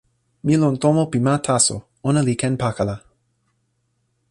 mi lon tomo pi ma taso. ona li ken pakala.